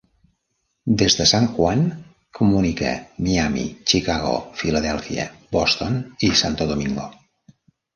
Des de San Juan comunica Miami, Chicago, Filadèlfia, Boston i Santo Domingo.